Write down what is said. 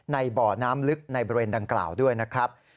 บ่อน้ำลึกในบริเวณดังกล่าวด้วยนะครับ